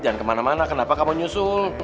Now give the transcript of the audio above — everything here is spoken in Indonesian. jangan kemana mana kenapa kamu nyusul